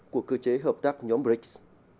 của cơ chế hợp tác nhóm brics